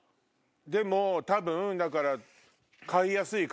でも多分だから。